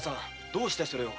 どうしてそれを？